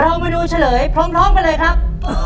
เราไปดูเฉลยพร้อมกันเลยครับ